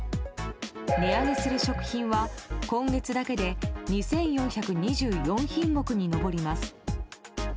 値上げする食品は今月だけで２４２４品目に上ります。